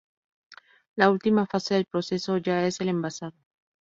La última fase del proceso ya es el envasado.